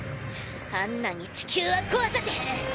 あんなんに地球は壊させへん。